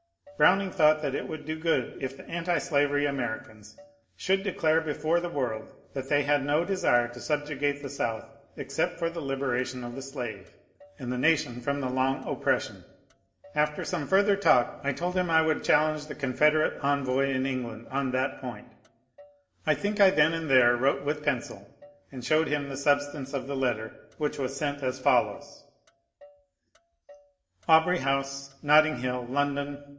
Browning thought that it would do good if the antislavery Americans should declare before the world that they had no desire to subjugate the South except for the liberation of the slave and the nation from the long oppression. After some further talk I told him I would challenge the Confederate ^>^^ ^{Th/f^n^ ^^^^^^ 4^, % At^ W' /5^ 4: ^4^ ^ }H^ /^^/M^ /X tj^ jfrT h^ f^H4J THE MASON INCIDENT 413 envoy in England on that point. I think I then and there wrote with pencil and showed him the substance of the letter, which as sent was as follows : AuBRKT House, Nottino Hill, London, W.